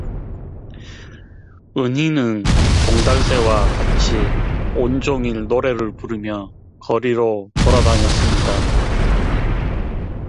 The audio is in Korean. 은희는 종달새와 같이 온종일 노래를 부르며 거리로 돌아다녔습니다.